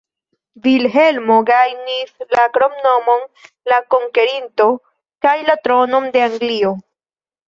Vilhelmo gajnis la kromnomon "la Konkerinto" kaj la tronon de Anglio.